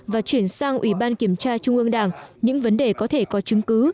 và chuyển sang ủy ban kiểm tra trung ương đảng những vấn đề có thể có chứng cứ